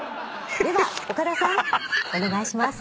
では岡田さんお願いします。